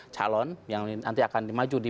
calon yang nanti akan dimaju di